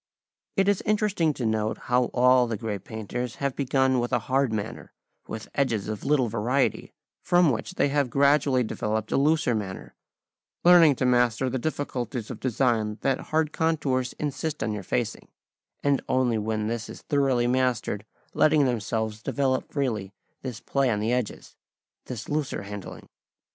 It is interesting to note how all the great painters have begun with a hard manner, with edges of little variety, from which they have gradually developed a looser manner, learning to master the difficulties of design that hard contours insist on your facing, and only when this is thoroughly mastered letting themselves develop freely this play on the edges, this looser handling.